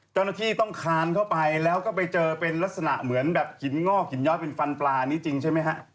เจ้าหน้าที่ต้องคานเข้าไปแล้วก็ไปเจอเป็นลักษณะเหมือนแบบหินงอกหินย้อยเป็นฟันปลานี้จริงใช่ไหมฮะ